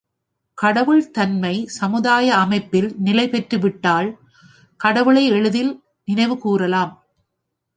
கடவுள் தன்மை சமுதாய அமைப்பில் நிலைபெற்றுவிட்டால் கடவுளை எளிதில் நினைவு கூரலாம்.